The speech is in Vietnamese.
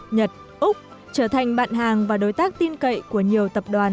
nhật úc trở thành bạn hàng và đối tác tin cậy của nhiều tập đoàn